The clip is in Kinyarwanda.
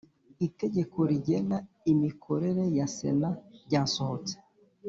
Itegeko rigena imikorere ya Sena ryasohotse